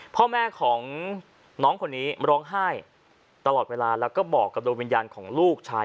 พ่อแม่ของน้องคนนี้ร้องไห้ตลอดเวลาแล้วก็บอกกับดวงวิญญาณของลูกชาย